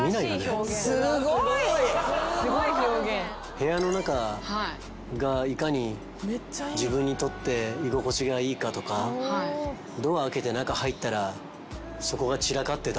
部屋の中がいかに自分にとって居心地がいいかとかドア開けて中入ったらそこが散らかってた。